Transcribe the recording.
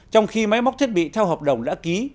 trong khi máy móc thiết bị theo hợp đồng đã ký